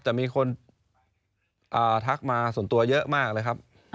แต่มีคนทักมาส่วนตัวเยอะมากเลยครับ